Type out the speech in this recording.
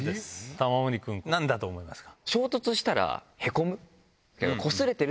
玉森君何だと思いますか？